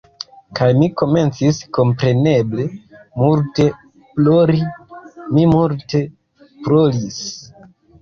Kaj mi komencis kompreneble multe plori. Mi multe ploris.